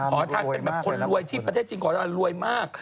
ขอทานเป็นแบบคนรวยที่ประเทศจีนขอทานรวยมาก